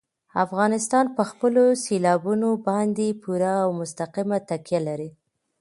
افغانستان په خپلو سیلابونو باندې پوره او مستقیمه تکیه لري.